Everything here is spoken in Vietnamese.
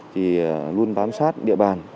thì luôn bám sát địa bàn